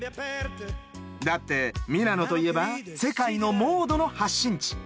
だってミラノといえば世界のモードの発信地。